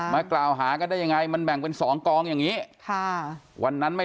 มากล่าวหาก็ได้ยังไงมันแบ่งเป็นสองกองอย่างนี้